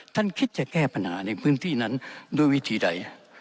คิดจะแก้ปัญหาในพื้นที่นั้นด้วยวิธีใด